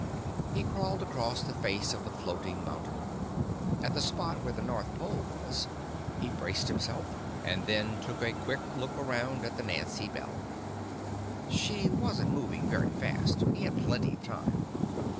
He crawled across the face of the floating mountain. At the spot where the North Pole was, he braced himself and then took a quick look around at the Nancy Bell. She wasn't moving very fast, he had plenty of time.